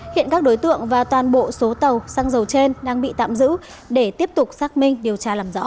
hiện các đối tượng và toàn bộ số tàu xăng dầu trên đang bị tạm giữ để tiếp tục xác minh điều tra làm rõ